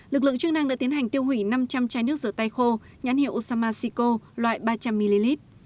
lực lượng chức năng đã tiến hành tiêu hủy năm trăm linh trái nước rửa tay khô nhãn hiệu osama syco loại ba trăm linh ml